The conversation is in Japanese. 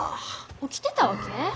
起きてたわけ？